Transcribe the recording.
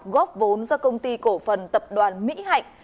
góp vốn do công ty cổ phần tập đoàn mỹ hạnh